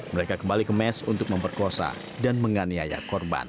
mereka kembali ke mes untuk memperkosa dan menganiaya korban